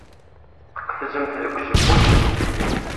Tqefzemt deg usewwi.